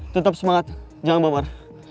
tetap semangat jangan bambar